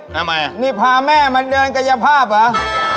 ทำไมอ่ะนี่พาแม่มาเดินกายภาพเหรอ